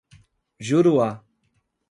Juruá